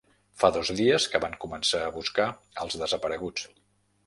Fa dos dies que van començar a buscar als desapareguts